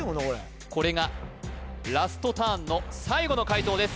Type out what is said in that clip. これがラストターンの最後の解答です